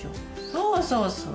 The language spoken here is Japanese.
そうそうそうそう。